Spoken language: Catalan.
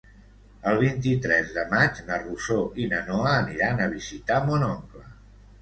El vint-i-tres de maig na Rosó i na Noa aniran a visitar mon oncle.